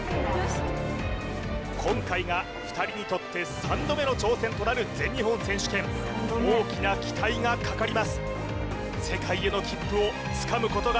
今回が２人にとって３度目の挑戦となる全日本選手権大きな期待がかかります